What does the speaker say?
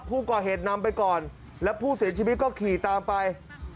ผู้ก่อเหตุนำไปก่อนแล้วผู้เสียชีวิตก็ขี่ตามไป